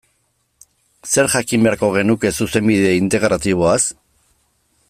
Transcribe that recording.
Zer jakin beharko genuke Zuzenbide Integratiboaz?